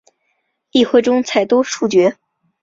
议会中采多数决。